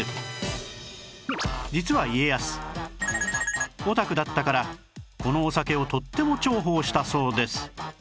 実は家康オタクだったからこのお酒をとっても重宝したそうです